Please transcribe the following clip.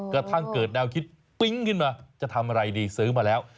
กระทั่งเกิดแนวคิดปิ๊งขึ้นมาจะทำอะไรดีซื้อมาแล้ว